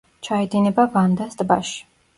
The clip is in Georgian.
ჩაედინება ვანდას ტბაში.